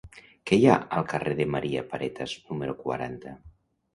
Què hi ha al carrer de Maria Paretas número quaranta?